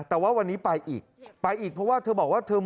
แต่ว่าวันนี้ไปอีกไปอีกเพราะว่าเธอบอกว่าเธอ